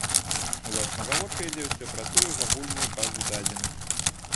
Уласна гаворка ідзе ўсё пра тую ж агульную базу дадзеных.